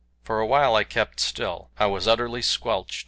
For a while I kept still. I was utterly squelched.